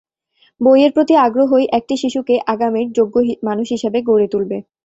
বইয়ের প্রতি আগ্রহই একটি শিশুকে আগামীর যোগ্য মানুষ হিসেবে গড়ে তুলবে।